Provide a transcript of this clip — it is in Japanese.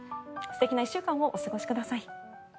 素敵な１週間をお過ごしください。